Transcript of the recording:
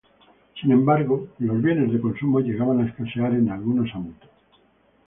Sin embargo los bienes de consumo llegaban a escasear en algunos ámbitos.